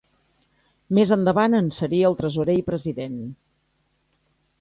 Més endavant en seria el tresorer i president.